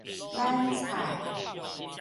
挽菜